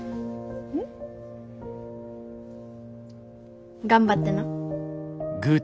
ん？頑張ってな。